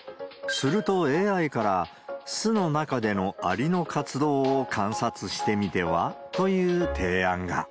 すると、ＡＩから、巣の中でのアリの活動を観察してみては？という提案が。